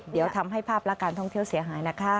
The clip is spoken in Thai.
เดี๋ยวทำให้ภาพลักษณ์การท่องเที่ยวเสียหายนะคะ